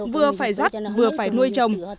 vừa phải rắt vừa phải nuôi chồng